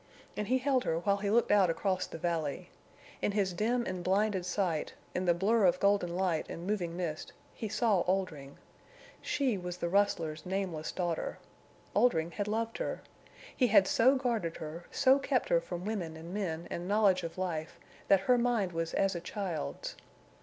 And he held her while he looked out across the valley. In his dim and blinded sight, in the blur of golden light and moving mist, he saw Oldring. She was the rustler's nameless daughter. Oldring had loved her. He had so guarded her, so kept her from women and men and knowledge of life that her mind was as a child's.